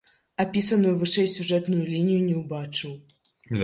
Апісаную вышэй сюжэтную лінію не ўбачыў.